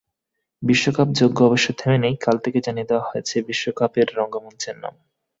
বিশ্বকাপযজ্ঞ অবশ্য থেমে নেই, কাল যেমন জানিয়ে দেওয়া হয়েছে বিশ্বকাপের রঙ্গমঞ্চের নাম।